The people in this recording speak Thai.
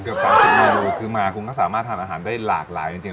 เกือบ๓๐เมนูคือมาคุณก็สามารถทานอาหารได้หลากหลายจริง